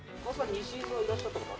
西伊豆はいらっしゃった事。